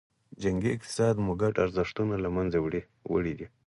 جنګي اقتصاد مو ګډ ارزښتونه له منځه وړي دي.